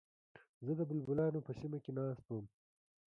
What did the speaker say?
زه د بلبلانو په سیمه کې ناست وم.